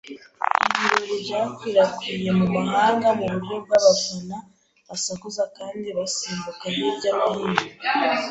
Ibirori byakwirakwiriye mu mahanga, mu buryo bw'abafana, basakuza kandi basimbuka hirya no hino.